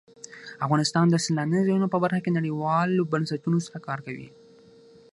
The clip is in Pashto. افغانستان د سیلانی ځایونه په برخه کې نړیوالو بنسټونو سره کار کوي.